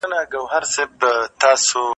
هغه هم د ارماني ټولني په فکر کي و.